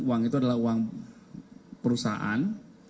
uang itu adalah uang perusahaan